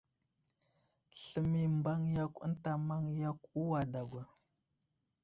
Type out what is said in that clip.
Sləmay i mbaŋ yakw ənta i maŋ yakw uway dagwa ?